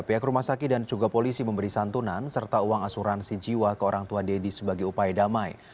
pihak rumah sakit dan juga polisi memberi santunan serta uang asuransi jiwa ke orang tua deddy sebagai upaya damai